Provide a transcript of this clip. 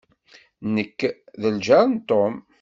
Nekk d ljaṛ n Tom.